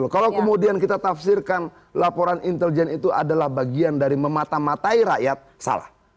kalau kemudian kita tafsirkan laporan intelijen itu adalah bagian dari memata matai rakyat salah